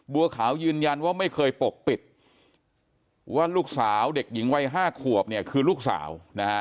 บัวขาวยืนยันว่าไม่เคยปกปิดว่าลูกสาวเด็กหญิงวัย๕ขวบเนี่ยคือลูกสาวนะฮะ